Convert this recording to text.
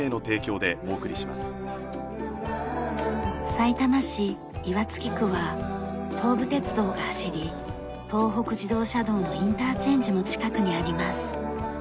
さいたま市岩槻区は東武鉄道が走り東北自動車道のインターチェンジも近くにあります。